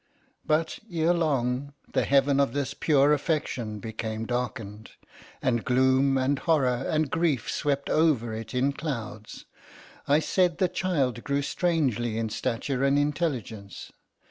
But, ere long the heaven of this pure affection became darkened, and gloom, and horror, and grief swept over it in clouds. I said the child grew strangely in stature and intelligence.